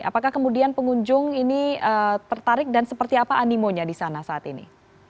apakah kemudian pengunjung ini tertarik dan seperti apa animonya di sana saat ini